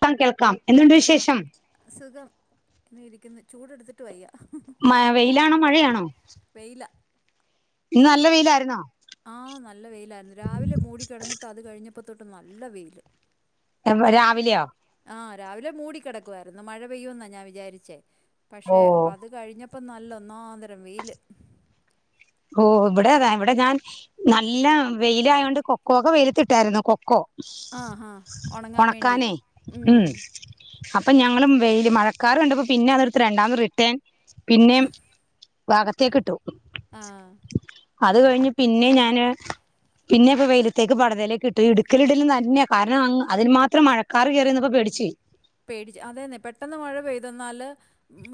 [unintelligible] ക്കേൾക്കാം എന്തുണ്ട് വിശേഷം ഇന്നെ ഇരിക്കുന്നു ചൂടെടുത്തിട്ട് വയ്യ മ വെയിലാണോ മഴയാണോ വെയില ഇന്ന് നല്ല വെയില് ആയിരുന്നോ ആഹ നല്ല വെയിലായിരുന്നു രാവിലെ മൂട കിടന്നിട്ട് അത് കഴിഞ്ഞ അപ്പ തൊട്ട് നല്ല വെയില് [unintelligible] രാവിലെയോ ആഹ് രാവിലെ മൂടിക്കിടക്കുവായിരുന്നു മഴ പെയ്യൂ എന്നാ ഞാൻ വിചാരിച്ചേ ഓ പക്ഷെ അത് കഴിഞ്ഞ അപ്പ നല്ല ഒന്നാന്തരം വെയില് ഓ ഇവിടെതാ ഇവിടെ ഞാൻ നല്ല വെയില ആയ കൊണ്ട് കൊക്കോ ഒക്കെ വെയിലത്തി ഇട്ടായിരുന്നു കൊക്കോ ആ ആ ഉണങ്ങാൻ വേണ്ടി ഉം അപ്പം ഞങ്ങളും വെയില് മഴക്കാറ് കണ്ടപ്പോ പിന്നെ അതട്ത്ത് രണ്ടാമത് റിട്ടേൺ പിന്നേ അകത്തേക്കിട്ടു ആ അത് കഴിഞ്ഞ് പിന്നെ ഞാന് പിന്നെ വെയിലത്തേക്ക് പടതയിലേക്ക് ഇട്ട് ഇട്ക്ക്‌ലിടല് തന്നെയാ കാരണം അതിൽ മാത്രം മഴക്കാറ് കേറിവന്നപ്പോ പേടിച്ച് ഓയ് പേടിച്ച് അതെന്നെ പെട്ടെന്ന് മഴ പെയ്തന്നാല്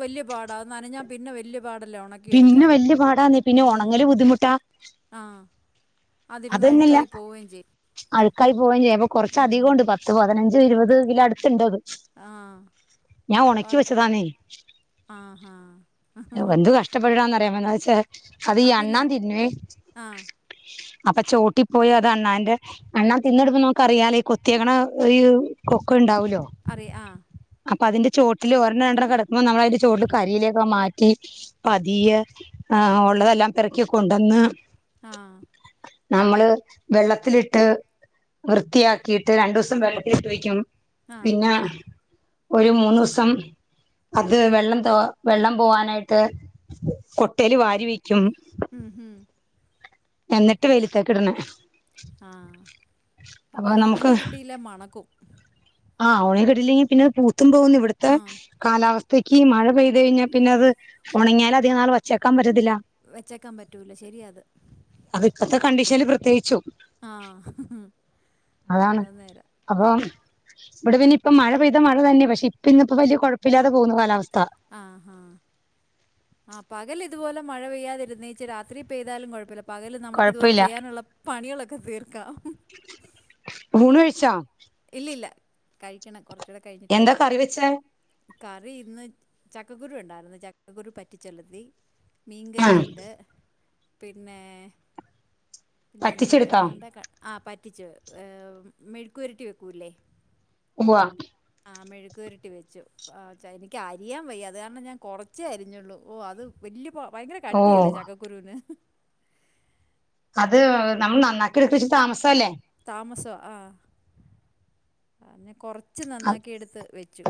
വല്യ പാടാ ന്നനഞ്ഞാ പിന്നെ വല്യ പിന്നെ വല്യ പാടാന്നെ പിന്നെ ഉം ഉണങ്ങല് ബുദ്ധിമുട്ടാ ആ അതിരുന്ന് അത്ന്നില്ല അഴുക്കായി പോവുകയും ചെയ്യും അഴുക്കായി പോവുകയും ചെയും കൊറച്ച് ഉം അധികംണ്ട് [unintelligible] ഇരുപത് ല് അടുത്ത്ണ്ടോ അത് ആ ഞാൻ ഉണക്കി അത് വെച്ചതാന്നേ ആഹാ എന്ത് കഷ്ടപ്പെട്ടിട്ടാന്ന അറിയാ സ അത് ആ ഈ അണ്ണാ പിന്നെ തിന്നുവേ ആ അപ്പൊ ചോട്ടി പോയാ അത് അണ്ണാന്റെ അണ്ണാൻ തിന്നെടുമ്പോ നമുക്ക്‌ അറിയാലേ ഈ കൊത്തിയക്ക്‌ണ ഈ കൊക്ക ഉണ്ടാവൂല്ലോ അറിയാ ആ പ്പ അതിന്റെ ചോട്ടില് ഒരെണ്ണ രണ്ടെണ്ണ കെടക്കുമ്പ നമ്മൾ അതിന്റെ ചോട്ടിൽ കരയിലേക്കെ മാറ്റി പതിയെ ഉള്ളതെല്ലാം പേറക്കി കൊണ്ടന്ന് ആ നമ്മള് വെള്ളത്തിലിട്ട് വൃത്തിയാക്കിയിട്ട് രണ്ടു ദിവസം വെള്ളത്തിലിട്ട് വെക്കും ആ പിന്നെ ഒരു മൂന്ന് ദിവസം അത് വെള്ളം തോ വെള്ളം പോവാനായിട്ട് കൊട്ടേല് വാരി വെക്കും ഉം ഉം എന്നിട്ട് വെലിത്തേക്ക്ട്ണെ ആ അപ്പം അത് നമുക്ക് ഉണങ്ങി കിട്ടിയില്ല മണക്കും ആ ഉണങ്ങി കിട്ടില്ലെങ്കിൽ പിന്നെ പു ത്തുമ്പോന്ന് ഇവിടുത്തെ ആ കാലാവസ്ഥ ത്തേക്ക് മഴ പെയ്ത് കഴിഞ്ഞാൽ പിന്നെത് ഉണങ്ങിയാൽ അധികം നാൾ വച്ചേക്കാൻ പറ്റ വെച്ചേക്കാൻ പറ്റൂല ശരിയാ അത് അത് ഇപ്പത്തെ കണ്ടീഷനിൽ പ്രത്യേകിച്ചും ആ [unintelligible] അതാണ് അത് നേരാ അപ്പൊ ഇവിടെ പിന്നെ ഇപ്പ മഴ പെയ്താ മഴ നന്നിം ബക്ഷേ ഇപ്പ ഇന്നിപ്പോ വലിയ കുഴപ്പല്ലാതെ പോകുന്നു കാലാവസ്ഥ ആ ഹാ പകല് ഇതുപോലെ മഴ പെയ്യാതിരുന്നേച്ച് രാത്രി പെയ്താലും കുഴപ്പല്ല പകല് നമ്മക്ക് ഇതുപോലെ കുഴപ്പമില്ല ചെയ്യാനുള്ള പണികളൊക്കെ തീർക്കാം ഊണ് കഴിച്ചോ ഇല്ലില്ല കഴിക്കണം കൊ എന്താ കറിവെച്ചെ? കറി ഇന്ന് ചക്കക്കുരു ഉണ്ടാര്ന്നു ചക്കക്കുരു പറ്റിച്ചൊലത്തി ആ മീൻകറിയ്ണ്ട്. പിന്നെ പിന്നെ എന്തു പറ്റിച്ചെടുത്തോ വരുന്നുണ്ട് ആ പറ്റിച്ചു ഏഹ് മെഴുക്കുപരട്ടി വെക്കൂലേ ഉവ്വ ആ മെഴക് പരട്ടി വെച്ചു ആ എനിക്ക് അരിയാൻ വയ്യ അത് കാരണം ഞാൻ കൊറച്ചേ അരിഞ്ഞുള്ളൂ ഓ അത് വല്ല്യ ഭയങ്കര കട്ടില്ലേ ഓ ചക്കകുരുന്ന് അത് നമ്മള് നന്നാക്കി എടുക്കച്ച് താമസംല്ലേ താമസ ആഹ് അ കൊറച്ച് കുറച്ച് നന്നാക്കിയെടുത്ത് വെച്ചു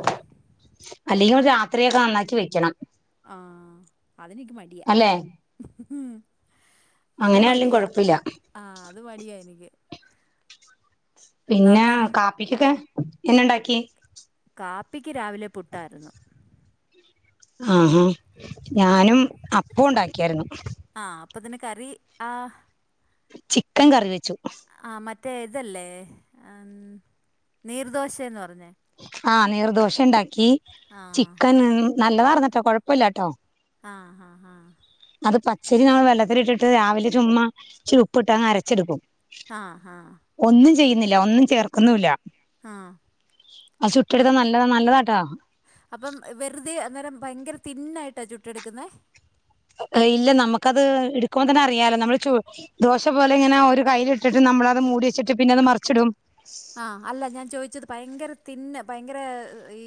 രാത്രി യൊക്കെ നന്നാക്കി വെക്കണം ആഹ് അതെനിക്ക് മടിയ അല്ലെ അത് അങ്ങനെയാണെലും മടിയാ കൊഴപ്പില്ല ആഹ് അത് മടിയാ എനിക്ക് പിന്നെ നന്ന കാപ്പിക്കൊക്കെ എന്നണ്ടാക്കി ടാപ്പിക് എക്ക് രാവിലെ പുട്ടായിരുന്നു ആഹാ ഞാനും അപ്പ ഉണ്ടാക്കിയായിരുന്നു ആഹ് അപ്പൊതിന്ന് കറി ആഹ് ചിക്കൻ കറി വെച്ചു മറ്റേ ഇതല്ലേ നീർദോശയന്ന് പറഞ്ഞേ ആ നീർ ദോശ ഉണ്ടാക്കി ആ ചിക്കന് നല്ലതാർന്നട്ടോ കൊഴപ്പില്ലട്ടോ ആഹ് ഹ ഹ അത് പച്ചരി നമ്മൾ വെള്ളത്തിലിട്ടിട്ട് രാവിലെ ചുമ്മ ചിരിപ്പ്ട്ട് അങ് അരച്ചെടുക്കും ആഹ് ആഹ് [unintelligible] ചെയ്യുന്നില്ല ഒന്നും ചേർക്കുന്നുില്ല ആഹ് അത് ചുട്ട് എടുത്ത നല്ലത നല്ലതാട്ടാ അപ്പം വെറുതെ അന്നേരം ഭയങ്കര തിന്നായിട്ടാ ചുട്ടെടുക്കുന്നേ ഇല്ല നമുക്കത് എടുക്കുമ്പോ തന്നെ അറിയാാലോ നമ്മള് ചു ദോശ പോലെ ഇങ്ങനെ ഒരു കയ്യിൽ ഇട്ടിട്ട് നമ്മളത് മൂടി വച്ചിട്ട് പിന്നെ അത് മറിച്ചിടും ആഹ് അല്ല ഞാൻ ചോദിച്ചത് ഭയങ്കര തിന്ന ഭയങ്കര ഈ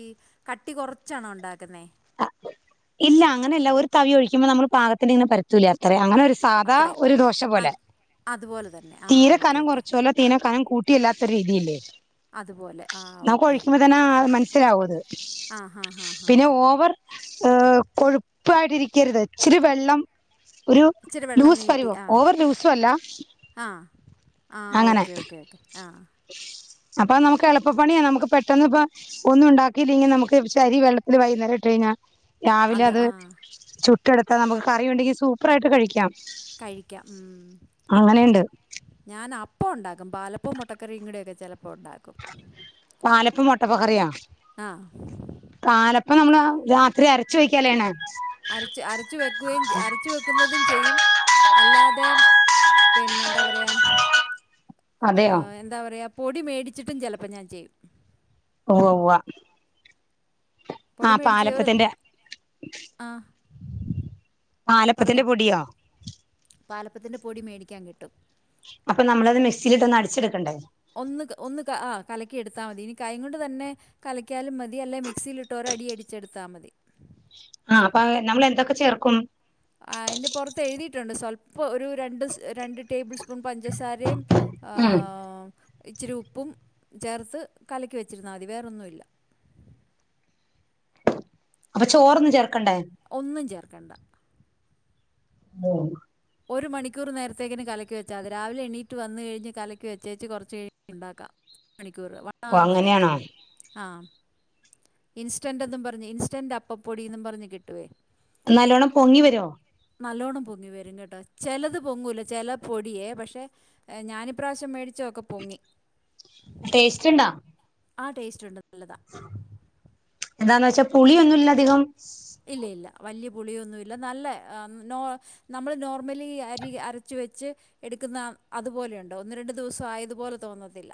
കട്ടി കുറച്ചാണോ ഉണ്ടാക്കുന്നെ ഇല്ല അങ്ങനെയല്ല ഒരു തവി ഒഴിക്കുമ്പോ നമ്മള് പാകത്തിന്റെ ഇങ്ങനെ പരുത്തൂല അത്ര അങ്ങനെ ഒരു സാധാ അത്രയും ഒരു ദോശ ആ, പോലെ അതുപോലെ തന്നെ ആ തീരെ ഓക്കെ കനം ഓക്കെ കുറച്ചുവല്ല തീരെ കനം കൂ [unintelligible] രീതി ഇല്ലേ അതുപോലെ ആ നമുക്ക് ഓക്കെ ഒഴിക്കുമ്പോ തന്നെ ആ മനസ്സിലാവുത് ആ ഹാ ഹാ ഹാ അ കൊഴുപ്പായിട്ടിരിക്കരുത് ഇച്ചിരി വെള്ളം ഒരു ഇച്ചിരി വെള്ളം ലൂസ് നീട്ടി പരുവം ആ ഓവർ ലൂസും അല്ല ആ ആ അങ്ങനെ ഓക്കെ ഓക്കേ ഓക്കേ ആ അപ്പൊ നമുക്ക് എളുപ്പണിയാ നമുക്ക് പെട്ടന്ന് ഇപ്പൊ ഒന്നും ഉണ്ടാക്കില്ലെങ്കിൽ നമുക്ക് അരി വെള്ളത്തിൽ വൈകുന്നേരം ഇട്ട് കഴിഞ്ഞ രാവിലെ അത് ചുട്ട് [unintelligible] നമ്മക്ക് കറി ഉണ്ടെങ്കിൽ സൂപ്പറായിട്ട് കഴിക്കാം കഴിക്കാം ഉം അങ്ങനെയുണ്ട് ഞാൻ ഇപ്പ ഉണ്ടാക്കും പാലപ്പം മുട്ടക്കറികൂടെയക്കെ ചിലപ്പ ഇപ്പൊ ഉണ്ടാക്കും പാലപ്പം മുട്ടപ്പ കറിയാ ആഹ് അപ്പൊ നമ്മള് രാത്രി അരച്ചു വെക്കല്ലേ ചെയ്യണേ അരച്ച് അരച്ച വെക്കുകയും അരച്ചു വെക്കുന്നതും ചെയ്യും അല്ലാതെ പിന്നെ എന്താ പറയ വെയാം അതെയോ ആഹ് എന്താ പറയാ പൊടി മേടിച്ചിട്ടും ചിലപ്പം ഞാൻ ചെയ്യും ഉവ് ഉവ്വ ആ പൊടി മേടിച്ച് ഒരു പാലപ്പത്തിന്റെ ആ പാലപ്പത്തിന്റെ പറഞ്ഞോ പൊടിയോ പാലപ്പത്തിന്റെ പൊടി മേടിക്കാൻ കിട്ടും അപ്പൊ നമ്മളത് മിക്സിയിലിട്ടൊന്ന് അടിച്ചെടുക്കണ്ടേ ഒന്ന് ഒന്ന് ആ കലക്കി എടുത്താൽ മതി ഇനി കൈ കൊണ്ട് തന്നെ കലക്കിയാലും മതി അല്ലെ മിക്സിയിലിട്ട് ഒരയടിച്ചെടുത്താൽ മതി ആ അപ്പൊ നമ്മള് എന്തൊക്കെ ചേർക്കും ആ അതിന്റെ പുറത്ത് എഴുതിയിട്ടുണ്ട് സ്വല്പം ഒരു രണ്ട് രണ്ട് ടേബിൾ സ്പൂ ല്പം പഞ്ചസാരേം ആ ഉം ഇച്ചിരി ഉപ്പും ചേർത്ത് കലക്കി വെച്ചിരുന്നാൽ മതി വേറൊന്നുമില്ല അപ്പൊ ചോറൊന്നും ചേർക്കില്ല് ഒന്നും ചേർ കണ്ട മൂൾ ഒരു മണിക്കൂർ നേരത്തേക്കിന് കലക്കി വെച്ചാമതി രാവിലെ എണിറ്റു വന്നു കഴിഞ്ഞു കലക്കി വെച്ചേച്ച് കുറച്ച് കഴിഞ്ഞിണ്ടാക്കാം ഒരു മണിക്കൂർ വൺ അവർ മതി അങ്ങനെയാണോ ആഹ് ഇൻസ്റ്റന്റന്നും പറഞ്ഞ് ഇൻസ്റ്റന്റ് അപ്പപ്പൊടിന്നും പറഞ്ഞ് കിട്ടുവേ നല്ലോണ്ണം പൊങ്ങി വരുവോ നല്ലോണ്ണം പൊങ്ങി വരും കേട്ടോ ചിലത് പൊങ്ങൂല ചില പൊടിയേ പക്ഷേ ഞാനിപ്രാവശ്യം മേടി ച്ചതൊക്കെ പൊങ്ങി ടേസ്റ്റ് ഉണ്ടോ ആ ടേസ്റ്റ് ഉണ്ട് നല്ലതാ [unintelligible] എന്താന്ന് വെച്ചാൽ പുളിയൊന്നും ഇല്ലധികം ഇല്ല ഇല്ല വലിയ പുളിയൊന്നുമില്ല നല്ല നോ നമ്മൾ നോർമലി അരി അരച്ച് വെച്ച് എടുക്കുന്ന അതുപോലെയുണ്ട ഒന്ന് രണ്ട് ദിവസം ആയതുപോലെ തോന്നത്തില്ല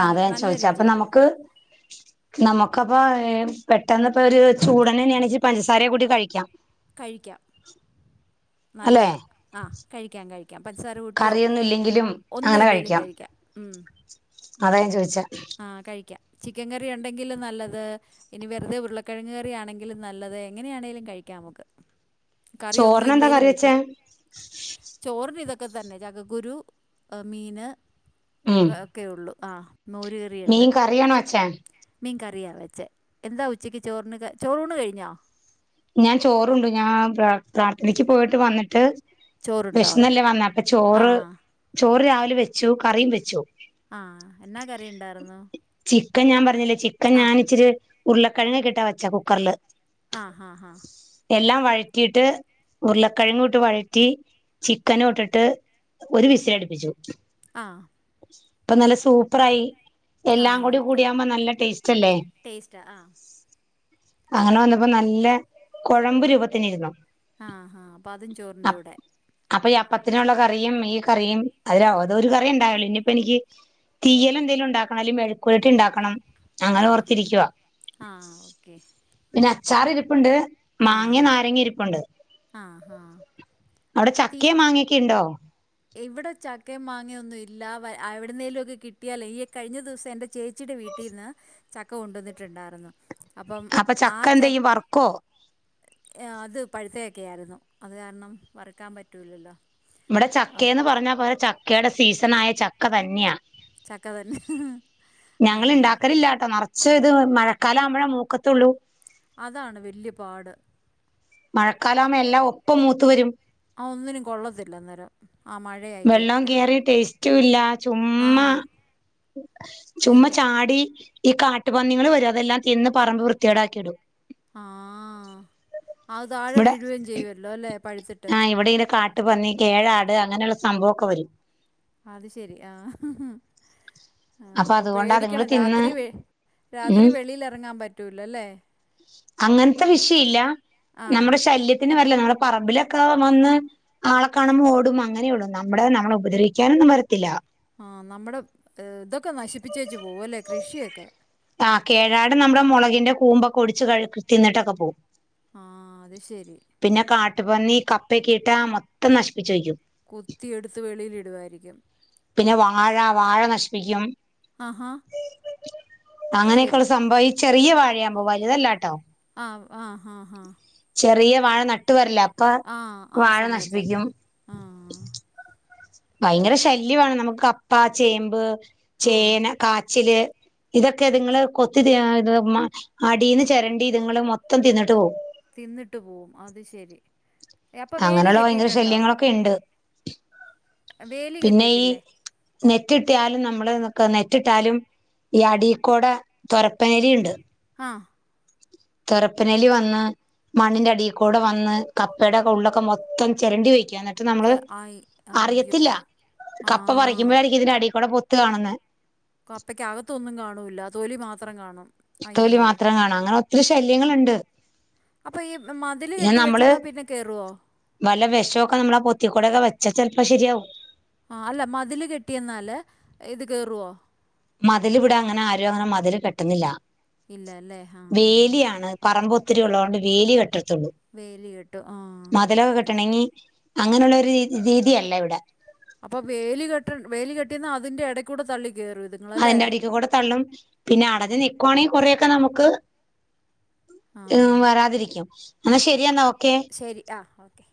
നല്ല അതെ ഞാൻ നല്ല ചോദിച്ച അപ്പൊ രുചിയാണ് നമുക്ക് നമുക്ക് നമുക്കപ്പ പെട്ടെന്ന് ഇപ്പോ ഒരു ചൂടനെ ഞാൻ ഇച്ചിരി പഞ്ചസാരയെ കൂട്ടി കഴിക്കാം കഴിക്കാം അല്ലെ നല്ലത ആ കഴിക്കാം കഴിക്കാം പഞ്ചാര കുട്ടിയോ കറിയൊന്നും ഇല്ലെങ്കിലും ഒന്നും അങ്ങനെ ഇല്ലെലും കഴിക്കാം ഉം അതാ ഞാൻ ചോദിച്ചാ ആ കഴിക്കാം ചിക്കൻ കറി ഉണ്ടെങ്കിലും നല്ലത് ഇനി വെറുതെ ഉരുളക്കിഴങ്ങ് കറി ആണെങ്കിലും നല്ലത് എങ്ങനെയാണെങ്കിലും കഴിക്കാം നമുക്ക് കറിയോന്നും ചോറിനെന്താ ഇല്ലേലും കറി വെച്ചേ കഴിക്കാം ചോറിന് ഇതൊക്ക ഒക്കെ തന്നെ ചക്കക്കുരു മീന് ഉം [unintelligible] ഒക്കേ ഉള്ളു ആ മോര് കറിയുണ്ട് മീൻ കറിയാണോ വെച്ചേ മീൻ കറിയാ വെച്ചെ എന്താ ഉച്ചയ്ക്ക് ചോറിന് ക ചോറൂണ് കഴിഞ്ഞോ ഞാൻ ചോറുണ്ട് ഞാൻ പ്രാർ പ്രാർത്ഥനക്ക് പോയിട്ട് വന്നിട്ട് ചോറുണ്ടോ വിഷനല്ലേ വന്നേ അപ്പ ആ ചോറ് ചോറ് രാവിലെ വെച്ചു കറിയും വെച്ചു ആ എന്നാ കറി ഉണ്ടായിരുന്നു ഒക്കെ ഞാൻ പറഞ്ഞില്ലേ ചിക്കൻ ആ ഞാനിച്ചിരി ഉരുളക്കിഴങ്ങി കിട്ടാ വെച്ചാത് കുക്കറില് ആ ആ ആ എല്ലാം വഴറ്റിയിട്ട് ഉരുളക്കിഴങ്ങും ഇട്ട് വഴറ്റി ചിക്കനും ഇട്ടിട്ട് ഒരു വിസില് അടിപ്പിച്ചു ആ ഇപ്പൊ നല്ല സൂപ്പർ ആയി എല്ലാം കൂടി കൂടിയാകുമ്പോ നല്ല ടേസ്റ്റ് അല്ലേ ടെസ്റ്റ് ആ അങ്ങനെ വന്നപ്പോ നല്ല കൊഴമ്പ് രൂപത്തിനിരുന്നോ ആ ഹ അപ്പ അതും ചോറിന്റെ കൂടെ അപ്പൊ അപ്പത്തിനുള്ള കറിയും ഈ കറിയും അതിലതോ ഒരു കറിയ ഉണ്ടായല്ലോ ഇനിയിപ്പ എനിക്ക് തീയൽ എന്തെങ്കിലും ഉണ്ടാക്കണം അല്ല മെഴക്കുരട്ടി ഉണ്ടാക്കണം ആ അങ്ങനെ ഹ ഓർത്തിരിക്കുവാ ആ ഓക്കെ ചാറിരി പ്പ്ണ്ട് ആഹ് മാങ്ങി നാരങ്ങി ഇരിപ്പുണ്ട് ആഹ് ആഹ് അവിടെ ചക്കയ മാങ്ങയൊക്കെ ഉണ്ടോ എവിടെ ചക്കയും മാങ്ങെന്നും ഇല്ല എവിടുന്നേലും ഒക്കെ കിട്ടിയാല ഈ കഴിഞ്ഞ ദിവസം എൻറെ ചേച്ചിയുടെ വീട്ടിൽന്ന് ചക്ക കൊണ്ടുവന്നിട്ടുണ്ടായിരുന്നു അപ്പം അപ്പൊ ആ ചക്ക ച എന്ത് ചെയ്യും വറുക്കോ അത് പഴുത്തേ ഒക്കെയായിരുന്നു അത് കാരണം വറക്കാൻ പറ്റൂല്ലല്ലോ ഇവിടെ ചക്കയന്ന് പറഞ്ഞ പോലെ ചക്കയുടെ സീസണായ ചക്ക തന്നെയാ ചക്കതന്നെ ആ ചേ ഇത് മഴക്കാലം ആവുമ്പഴ മൂക്കത്തുള്ളൂ അതാണ് വല്യപാട് മഴക്കാല ആമ്പ എല്ലാം ഒപ്പം മൂത്ത വരും ആ ഒന്നിനും കൊള്ളത്തില്ലന്നേരം വെള്ളാം കേറി ടേസ്റ്റ് റ്റൂല്ലാ ചുമ്മാ ആഹ് ചുമ്മ ശരിയാ ചാടി ഈ കാട്ടുപന്നികൾ വരും അതെല്ലാം തിന്ന് പറമ്പ് വൃത്തിയേടാക്കി ഇടും ആഹ അതാഴെ ഇവിടെ വീഴുകയും ചെയ്യുവല്ലോ ല്ലേ പഴുത്തിട്ട് ട്ട് പന്നി കേഴാട് അങ്ങനെയുള്ള സംഭവൊക്കെ വരും അത് ശെരി ആ ആ അപ്പൊ അപ്പോൾ അതുകൊണ്ട് അതുങ്ങൾ പേടിക്കണം തിന്ന് രാത്രി വെ ഉ രാത്രി വെളിയിൽ ഇറങ്ങാൻ പറ്റൂല അല്ലേ അങ്ങനത്തെ വിഷയ ഇല്ല ആ നമ്മുടെ ശല്യത്തിന് വരില്ല നമ്മുടെ പറമ്പിലൊക്കെ വന്ന് ആളെ കാണുമ്പോ ഓടും അങ്ങനെ ഉള്ളൂ നമ്മുടെ നമ്മള ഉപദ്രവിക്കാനൊന്നും വരത്തില്ല ആ നമ്മുടെ ഇതൊക്കെ നശിപ്പിച്ചേച്ച പോവല്ലേ കൃഷിയൊക്കെ ആ കേഴാട നമ്മുടെ മുളകിന്റെ കൂമ്പൊക്കെ ഒടിച്ച് കഴ തിന്നിട്ടൊക്കെ പോവും ങാ അത് ശരി കാട്ടപ്പന്നി കപ്പക്കെ ഇട്ടാ മൊത്തം നശിപ്പിച്ചുവയ്ക്കും കുത്തി എടുത്ത് വെളിയിൽ ഇടുവായിരിക്കും പിന്നെ വാഴ വാഴ നശിപ്പിക്കും അഹാ അങ്ങനെയൊക്കെള്ള സംഭവ ഇ ചെറിയ വാഴയാഭൊ വലുതല്ലാട്ടോ ങാ ങാ ങാ ങാ ചെറിയ വാഴ നട്ട് വരില്ല അ ങാ ആ സമയത്ത് ങാ ഭയങ്കര ശല്യമാണ് നമുക്ക് കപ്പ ചേമ്പ് ആ ചേന കാച്ചില് ഇതൊക്കെ ഇതുങ്ങള് കൊത്തി തിമ്മാ അടീന്ന് ചെരണ്ടി ഇതുങ്ങള് മൊത്തം തിന്നിട്ട് പോകും തിന്നിട്ട് പോവും അത് ശരി ഏ, അപ്പൊ വേലി അങ്ങനൊള്ള ഭയങ്കര കെട്ടിയിട്ടുണ്ടോ ശല്യങ്ങളൊക്കെ ഇണ്ട് വേലി കെട്ടീട്ടില്ലേ നെറ്റിട്ടിയാലും നമ്മള് ക്കെ നെറ്റിട്ടാലും ഈ അടീക്കോടെ തൊരപ്പനെലിയിണ്ട് ആ തൊരപ്പനെലി വന്ന് മണ്ണിന്റെ അടിയിക്കൂടെ വന്ന് കപ്പേടെക്കെ ഉള്ളൊക്കെ മൊത്തം ചിരണ്ടി വെക്കും എന്നിട്ട് നമ്മള് ചെ ആയി അയ്യോ അറിയത്തില്ല ആ കപ്പ പറിക്കുമ്പോഴാരിക്കും ഇതിന്റെ അടി കൂടെ പൊ ത്ത് കാണുന്നെ കപ്പക്കകത്തൊന്നും കാണൂല്ല തോലി മാത്രം കാണും തൊലി അയ്യോ മാത്രം കാണു അങ്ങനെ ഒത്തിരി ശൈ ലെങ്ങള്ണ്ട് അപ്പൊ ഈ മതില് പിന്നെ കെട്ടി നമ്മള് വെച്ചെന്നാ പിന്നെ കേറുവോ വല്ല വെഷോക്കെ നമ്മളാ പൊത്തിക്കൂടൊക്കെ വെ ചച്ചൽപ്പ ശരിയാവും ആ അല്ല മതില് കെട്ടിയന്നാല് ഇത് കേറുവോ മതിലിവിടെ അങ്ങനെ ആരും അങ്ങനെ മതില് കെട്ടുന്നില്ല ഇല്ല അല്ലേ ആ ആ വേലിയാണ് പറമ്പു ഒത്തിരി ഉള്ളോണ്ട് വേലി വെട്ട് തൊള്ളു വേലി കെട്ടും ആ മതലവ കെട്ടണങ്ങി അങ്ങനുള്ളൊരു രീതി രീതിയല്ല ഇവിടെ അപ്പൊ വേലി കെട്ട വേലി കെട്ടിയുന്ന അതിന്റെ എടെക്കൂടെ തള്ളി കയറും ഇതുങ്ങളല്ലേ അതിന്റെ അടിക്ക് കൂടെ തള്ളും പിന്നെ അടഞ്ഞ് നിക്കുവാണെ കൊറേയൊക്കെ നമുക്ക് ആ എം വരാതിരിക്കും എന്നാ ശരിയെന്നാ ഓ ശരി ആ ഓക്കെ